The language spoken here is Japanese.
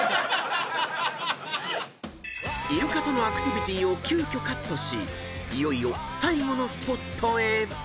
［イルカとのアクティビティーを急きょカットしいよいよ最後のスポットへ］